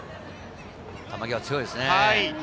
球際、強いですね。